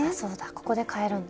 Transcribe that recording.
ここでかえるんだ。